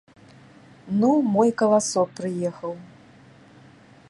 Ну, мой каласок, прыехаў!